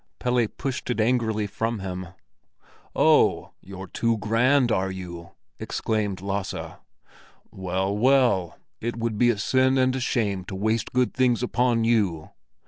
Pelle pushed it angrily from him. "Oh, you're too grand, are you?" exclaimed Lasse. "Well, well, it would be a sin and a shame to waste good things upon you."